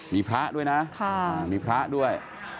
มีพระด้วยนะมีพระด้วย